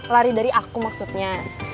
lari dari aku maksudnya